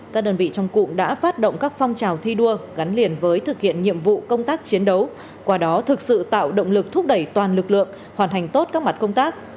các đơn vị trong cụm đã phát động các phong trào thi đua gắn liền với thực hiện nhiệm vụ công tác chiến đấu qua đó thực sự tạo động lực thúc đẩy toàn lực lượng hoàn thành tốt các mặt công tác